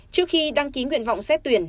trước khi đăng ký nguyện vọng xét tuyển